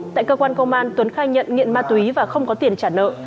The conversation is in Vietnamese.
tại cơ quan công an tuấn khai nhận nghiện ma túy và không có tiền trả nợ